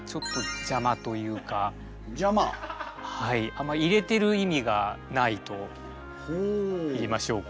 あまり入れてる意味がないといいましょうか。